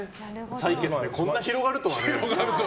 採血でこんな広がるとはね。